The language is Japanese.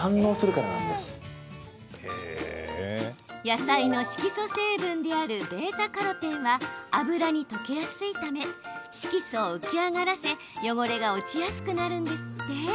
野菜の色素成分であるβ−カロテンは油に溶けやすいため色素を浮き上がらせ汚れが落ちやすくなるんですって。